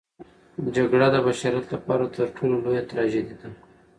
جګړه د بشریت لپاره تر ټولو لویه تراژیدي ده.